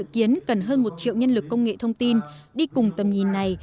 kiến cần hơn một triệu nhân lực công nghệ thông tin đi cùng tầm nhìn này